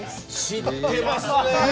「知ってますね！」